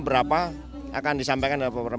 berapa akan disampaikan oleh